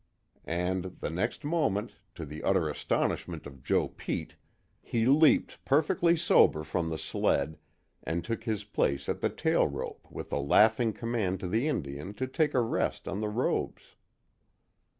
And, the next moment, to the utter astonishment of Joe Pete, he leaped perfectly sober from the sled, and took his place at the tail rope with a laughing command to the Indian to take a rest on the robes.